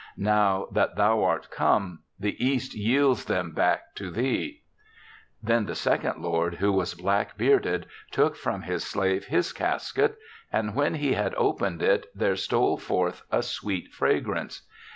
Now that thou art come, the East yields them back to thee/ "Then the second lord, who was black bearded, took from, his slave his casket; and when he had opened it there stole forth a sweet fragrance.